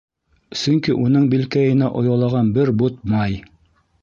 Сөнки уның билкәйенә оялаған бер бот май!